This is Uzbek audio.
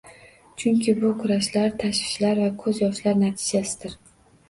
Chunki bu - kurashlar, tashvishlar va koʻz yoshlar natijasidir.